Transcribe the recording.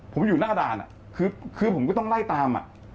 ผมอยู่หน้าด่านคือผมก็ต้องไล่ตาม